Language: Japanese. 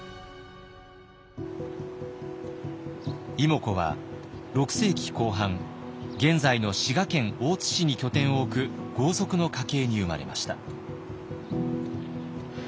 妹子は６世紀後半現在の滋賀県大津市に拠点を置く豪族の家系に生まれました。